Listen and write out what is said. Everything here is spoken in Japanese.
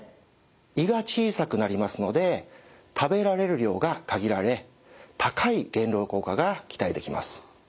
胃が小さくなりますので食べられる量が限られ高い減量効果が期待できます。